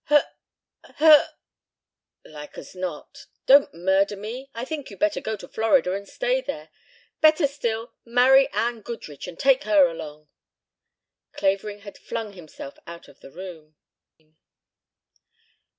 "Her her " "Like as not. Don't murder me. I think you'd better go to Florida and stay there. Better still, marry Anne Goodrich and take her along " Clavering had flung himself out of the room.